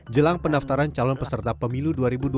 jelang pendaftaran calon peserta pemilu dua ribu dua puluh